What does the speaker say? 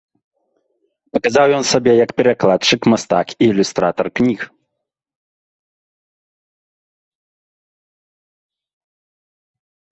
Паказаў ён сябе і як перакладчык, мастак і ілюстратар кніг.